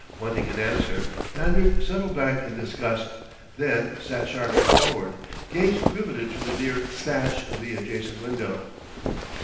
Wanting an answer, Lanyard settled back in disgust, then sat sharply forward, gaze riveted to the near sash of the adjacent window.